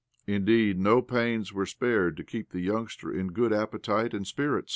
Indeed, no pains were spared to keep the youngster in good appetite and spirits.